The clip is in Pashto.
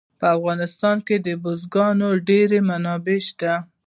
په افغانستان کې د بزګانو ډېرې منابع شته.